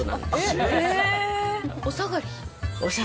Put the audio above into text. おさがり。